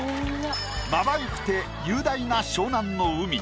まばゆくて雄大な湘南の海。